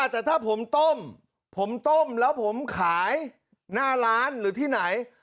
แต่ถ้าผมต้มผมต้มแล้วผมขายหน้าร้านหรือที่ไหน